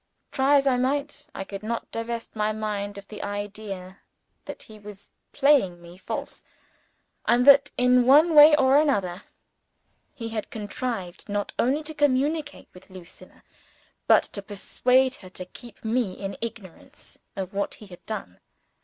Try as I might, I could not divest my mind of the idea that he was playing me false, and that in one way or another he had contrived, not only to communicate with Lucilla, but to persuade her to keep me in ignorance of what he had done.